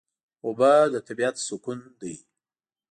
اوبه د طبیعت سکون ده.